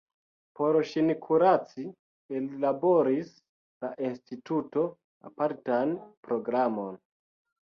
Por ŝin kuraci ellaboris la instituto apartan programon.